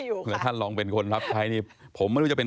เผื่อท่านลองเป็นคนรับใช้นี่ผมไม่รู้จะเป็น